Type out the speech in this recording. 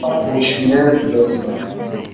Ur cfin ara fell-asent.